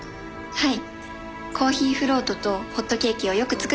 はい。